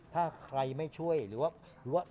ถ้าใครไม่ช่วยหรือว่า